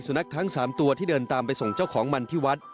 นักทั้ง๓ตัวที่เดินตามไปส่งเจ้าของมันที่วัด